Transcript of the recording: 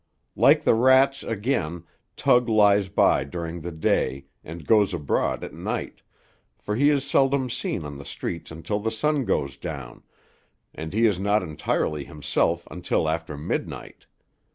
Like the rats again, Tug lies by during the day, and goes abroad at night, for he is seldom seen on the streets until the sun goes down, and he is not entirely himself until after midnight.